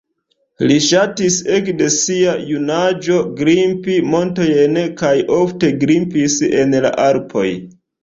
Li ŝatis ekde sia junaĝo grimpi montojn kaj ofte grimpis en la Alpoj.